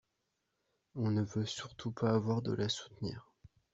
on ne veut surtout pas avoir de la soutenir.